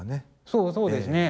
そうそうですね。